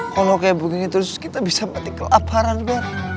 kalau kayak begini terus kita bisa mati kelaparan per